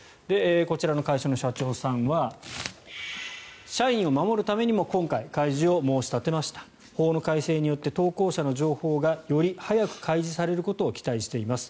こちらの会社の社長さんは社員を守るためにも今回、開示を申し立てました法の改正によって投稿者の情報がより早く開示されることを期待しています